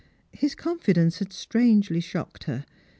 His confidence had strangely shocked her.